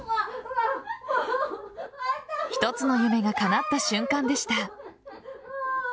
一つの夢がかなった瞬間でした。